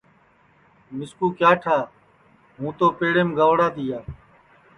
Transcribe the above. مِسکُو کیا ٹھا ہوں تو پیڑیم گئوڑا تیا